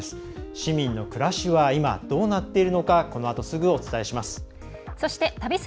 市民の暮らしは今、どうなっているのかこのあとすぐお伝えします。